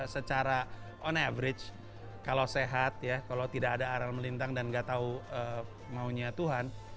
secara on average kalau sehat ya kalau tidak ada aral melintang dan gak tahu maunya tuhan